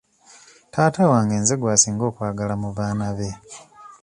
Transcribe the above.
Taata wange nze gw'asinga okwagala mu baana be.